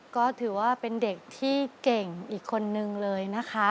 ก็ถือว่าเป็นเด็กที่เก่งอีกคนนึงเลยนะคะ